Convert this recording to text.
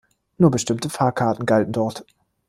Nur bestimmte Fahrkarten galten dort.